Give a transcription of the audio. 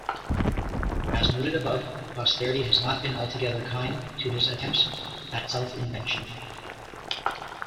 As noted above, posterity has not been altogether kind to his attempts at self-invention.